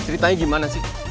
ceritanya gimana sih